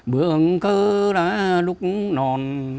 bướng cơ ra lúc nòn